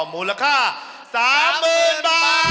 มูลค่า๓๐๐๐บาท